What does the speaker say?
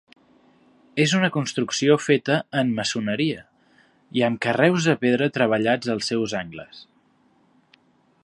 És una construcció feta en maçoneria i amb carreus de pedra treballats als seus angles.